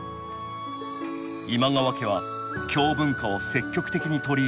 今川家は京文化を積極的に取り入れ